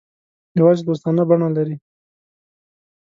یوازې دوستانه بڼه لري.